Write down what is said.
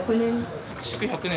築１００年。